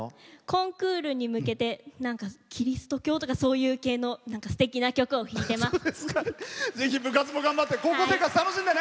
コンクールに向けてキリスト教とかそういう系のすてきな曲を弾いています。